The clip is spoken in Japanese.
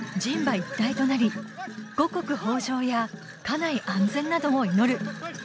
一体となり五穀豊穣や家内安全などを祈る